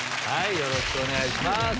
よろしくお願いします。